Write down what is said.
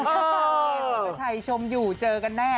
เอวก็ใช่ชมอยู่เจอกันแน่